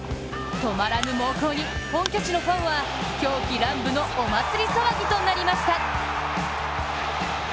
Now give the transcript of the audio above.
止まらぬ猛攻に本拠地のファンは狂喜乱舞のお祭り騒ぎとなりました。